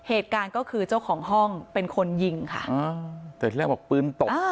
เหตุการณ์ก็คือเจ้าของห้องเป็นคนยิงค่ะอ่าแต่ที่แรกบอกปืนตก